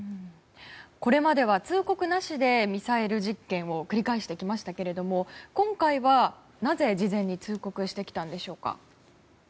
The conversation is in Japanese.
これまでは通告なしでミサイル実験を繰り返してきましたけれども今回はなぜ、事前に通告してきたんでしょうか。